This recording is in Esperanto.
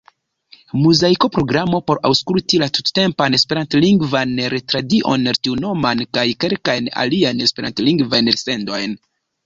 Muzaiko, programo por aŭskulti la tuttempan Esperantlingvan retradion tiunoman, kaj kelkajn aliajn Esperantlingvajn elsendojn.